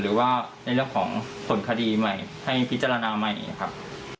หรือว่าในเรื่องของผลคดีใหม่ให้พิจารณาใหม่ครับ